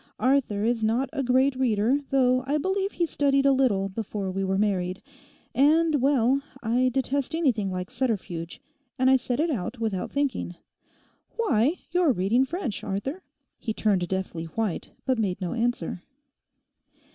Arthur is not a great reader, though I believe he studied a little before we were married, and—well, I detest anything like subterfuge, and I said it out without thinking, "Why, you're reading French, Arthur!" He turned deathly white but made no answer.